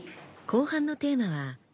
後半のテーマは仕事。